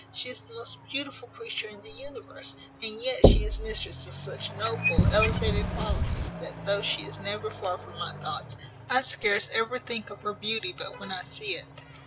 She is the most beautiful creature in the universe: and yet she is mistress of such noble elevated qualities, that, though she is never from my thoughts, I scarce ever think of her beauty but when I see it."